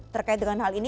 terkait dengan hal ini